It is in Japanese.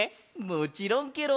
もちろんケロ！